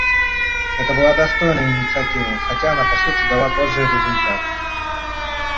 Это была достойная инициатива, хотя она, по сути, дала тот же результат.